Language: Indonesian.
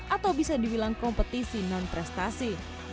atau bisa dibilang kompetisi non prestasi